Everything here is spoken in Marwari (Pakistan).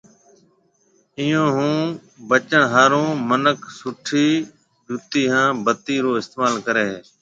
ايئون ھون بچڻ ھارو منک سُٺي جُتِي ھان بتِي رو استعمال ڪرَي ھيََََ